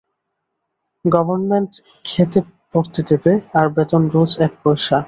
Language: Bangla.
গবর্ণমেণ্ট খেতে পরতে দেবে, আর বেতন রোজ এক পয়সা।